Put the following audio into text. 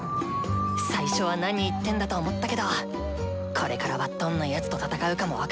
最初は「何言ってんだ」と思ったけどこれからはどんなヤツと戦うかも分からない。